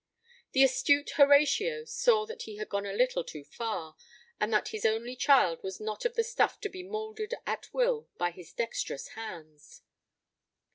The astute Horatio saw that he had gone a little too far, and that his only child was not of the stuff to be moulded at will by his dexterous hands.